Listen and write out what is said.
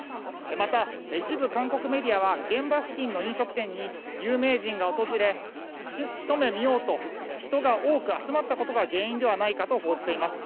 また、一部韓国メディアは現場付近の飲食店に有名人が訪れ、ひと目見ようと人が多く集まったことが原因ではないかと報じています。